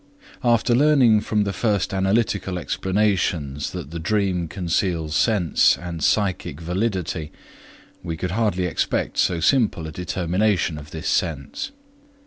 After learning from the first analytical explanations that the dream conceals sense and psychic validity, we could hardly expect so simple a determination of this sense.